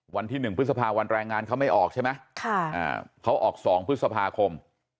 วันที่๑พฤษภาวันแรงงานเขาไม่ออกใช่ไหมเขาออก๒พฤษภาคม